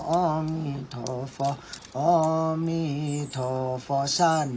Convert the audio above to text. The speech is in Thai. สวัสดีครับทุกคน